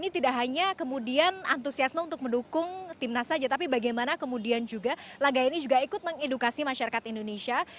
ini tidak hanya kemudian antusiasme untuk mendukung timnas saja tapi bagaimana kemudian juga laga ini juga ikut mengedukasi masyarakat indonesia